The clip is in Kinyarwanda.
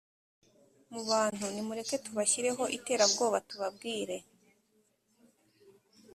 mu bantu nimureke tubashyireho iterabwoba tubabwire